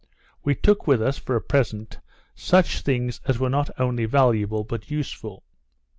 We took with us for a present, such things as were not only valuable, but useful.